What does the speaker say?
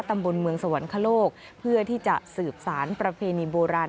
ตำบลเมืองสวรรคโลกเพื่อที่จะสืบสารประเพณีโบราณ